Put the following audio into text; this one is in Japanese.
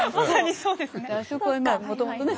そうですよね。